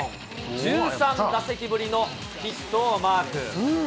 １３打席ぶりのヒットをマーク。